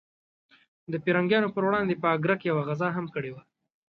د پرنګیانو پر وړاندې په اګره کې یوه غزا هم کړې وه.